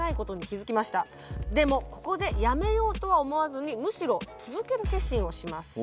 でもここでやめようとは思わずにむしろ続ける決心をします。